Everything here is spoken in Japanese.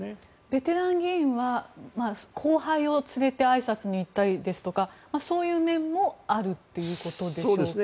ベテラン議員は後輩を連れてあいさつに行ったりですとかそういう面もあるということでしょうか。